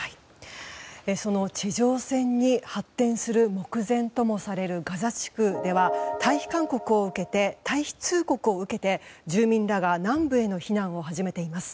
その地上戦に発展する目前ともされるガザ地区では退避通告を受けて住民らが南部への避難を始めています。